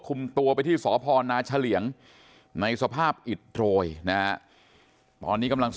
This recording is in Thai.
คุมตัวไปที่สพณชลเหียงในสภาพอิตโรยนะตอนนี้กำลัง